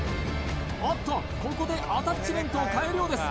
おっとここでアタッチメントを替えるようです